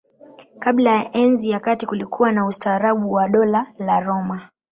Kabla ya Enzi ya Kati kulikuwa na ustaarabu wa Dola la Roma.